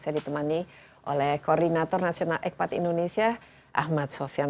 saya ditemani oleh koordinator nasional ekpat indonesia ahmad sofyan